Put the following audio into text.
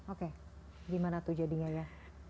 oke gimana tuh jadinya ya